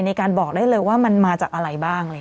ในการบอกได้เลยว่ามันมาจากอะไรบ้าง